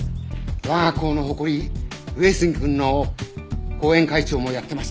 我が校の誇り上杉くんの後援会長もやってました。